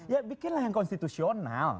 ya bikinlah yang konstitusional